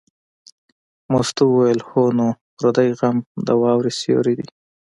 مستو وویل: هو نو پردی غم د واورې سیوری دی.